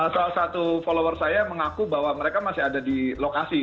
salah satu follower saya mengaku bahwa mereka masih ada di lokasi